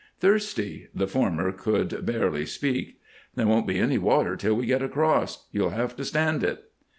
"Thirsty!" The former could barely speak. "There won't be any water till we get across. You'll have to stand it."